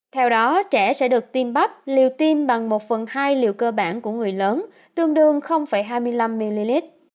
theo đó trẻ sẽ được tiêm bắp liều tiêm bằng một phần hai liều cơ bản của người lớn tương đương hai mươi năm ml